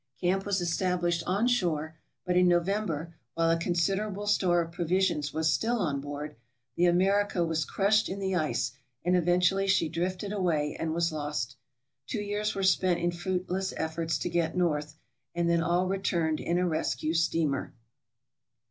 Camp was established on shore, but in November, while a considerable store of provisions was siill on board, the "America" was crushed in the ice, and eventu ally she drifted away and was lost. Two years were spent in fruit less efforts to get north, and then all returned in a rescue steamer.